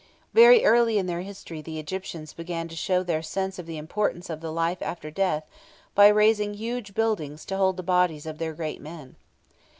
Very early in their history the Egyptians began to show their sense of the importance of the life after death by raising huge buildings to hold the bodies of their great men.